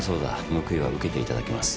報いは受けていただきます。